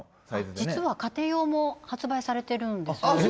実は家庭用も発売されているんです